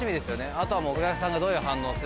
あとはお客さんがどういう反応するか。